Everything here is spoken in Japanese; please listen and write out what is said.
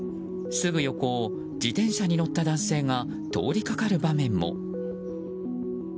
すぐ横を、自転車に乗った男性が通りかかる場面も。